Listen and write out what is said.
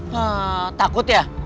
hah takut ya